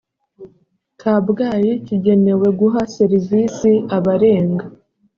kabgayi kigenewe guha serivisi abarenga